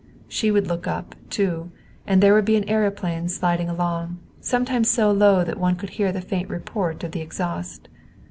She would look up, too, and there would be an aëroplane sliding along, sometimes so low that one could hear the faint report of the exhaust.